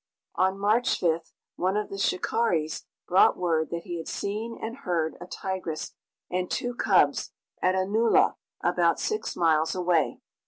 On March 5th, one of the shikaris brought word that he had seen and heard a tigress and two cubs at a nullah about six miles away.